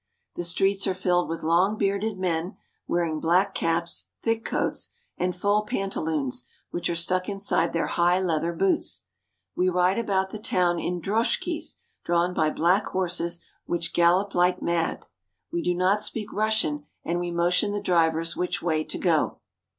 The streets are filled with long bearded men, wearing black caps, thick coats, and full pantaloons which are stuck inside their high leather boots. We ride about the town in droshkies drawn by black horses which gallop SIBERIA 377 like mad. We do not speak Russian, and we motion the drivers which way to go.